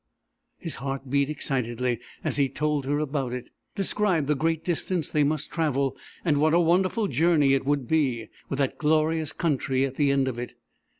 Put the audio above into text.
His heart beat excitedly as he told her about it, described the great distance they must travel, and what a wonderful journey it would be, with that glorious country at the end of it....